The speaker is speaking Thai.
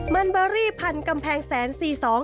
มันเบอรี่พันกำแพงแสนสี่สอง